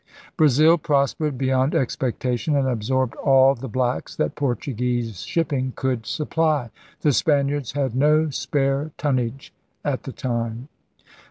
Brazil prospered beyond expectation and absorbed all the blacks that Portuguese shipping could supply. The Spaniards had no spare tonnage at the time.